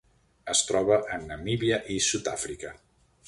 Es troba a Namíbia i Sud-àfrica.